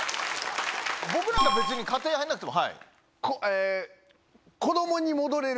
僕なんか別に家庭入んなくても。